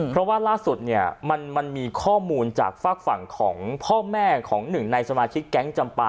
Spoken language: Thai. เพราะว่าล่าสุดเนี่ยมันมีข้อมูลจากฝากฝั่งของพ่อแม่ของหนึ่งในสมาชิกแก๊งจำปา